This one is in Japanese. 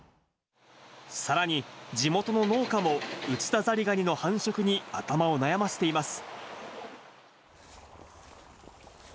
さらに地元の農家も、ウチダザリガニの繁殖に頭を悩ませています。